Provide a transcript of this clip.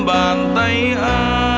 bên em lạnh về